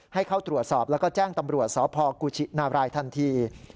ให้เข้าตรวจสอบแล้วก็แจ้งตำรวจสพกุชินาบรายทันที